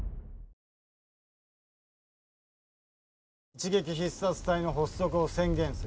一撃必殺隊の発足を宣言する。